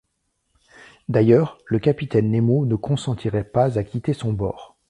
D’ailleurs, le capitaine Nemo ne consentirait pas à quitter son bord.